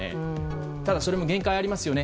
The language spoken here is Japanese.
ただ、それも限界がありますよね